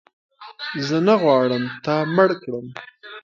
زه نه غواړم تا مړ کړم